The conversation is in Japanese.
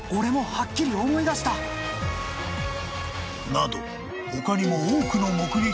［など他にも］